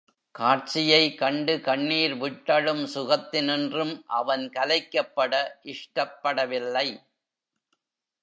காட்சியை கண்டு கண்ணீர் விட்டழும் சுகத்தினின்றும் அவன் கலைக்கப்பட இஷ்டப்படவில்லை!